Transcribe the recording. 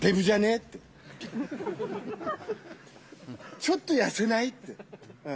って、ちょっと痩せない？って。